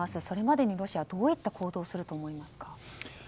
それまでにロシアはどういった行動をすると思いますか？